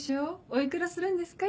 お幾らするんですか？